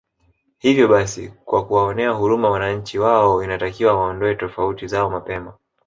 Hivo basi kwa kuwaonea huruma wananchi wao inatakiwa waondoe tofauti zao mapema